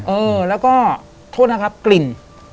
เออแล้วก็โทษนะครับกลิ่น